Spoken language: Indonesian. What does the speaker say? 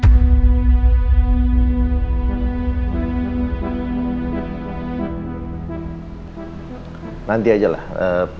mulai lagi pajami aja